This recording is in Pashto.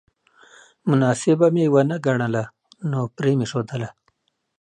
مناسبه مې ونه ګڼله نو پرې مې ښودله